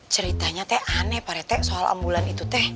ceritanya teh aneh pak retek soal ambulan itu teh